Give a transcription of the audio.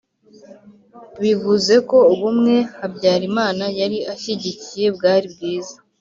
bivuzeko ubumwe habyarimana yari ashyigikiye bwari bwiza